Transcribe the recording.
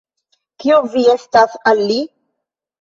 Kio vi estas al li?